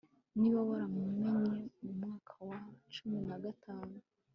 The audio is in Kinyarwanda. niba waramumenye mu mwaka wa cumi na gatanu